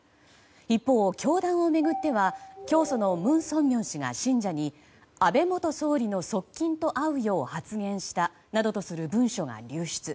一方、教団を巡っては教祖の文鮮明氏が信者に安倍元総理の側近と会うよう発言したなどとする文書が流出。